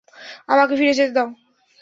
আমাকে ফিরে যেতে দাও।